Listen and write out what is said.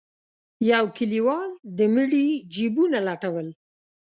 يو کليوال د مړي جيبونه لټول.